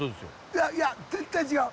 いやいや絶対違う。